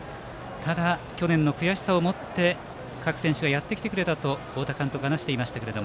ただ、去年の悔しさをもって各選手がやってきてくれたと太田監督は話していました。